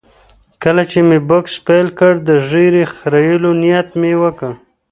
کله چې مې بوکس پیل کړ، د ږیرې خریلو نیت مې وکړ.